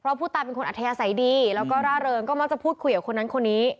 เพราะผู้ตายเป็นคนอัธยาศัยดีแล้วก็ร่าเริงก็มักจะพูดคุยกับคนนั้นคนนี้